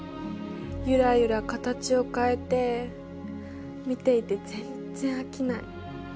ゆらゆら形を変えて見ていて全然飽きない。